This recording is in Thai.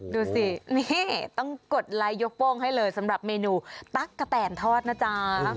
ดูสินี่ต้องกดไลค์ยกโป้งให้เลยสำหรับเมนูตั๊กกะแตนทอดนะจ๊ะ